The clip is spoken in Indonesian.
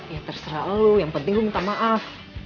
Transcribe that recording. ya terserah lu yang penting lu minta maaf